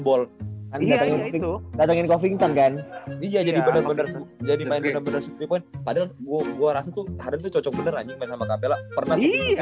ball iya jadi bener bener jadi main bener bener padahal gua rasa tuh cocok bener aja sama capella